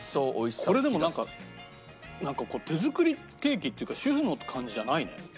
これでもなんか手作りケーキっていうか主婦の感じじゃないね。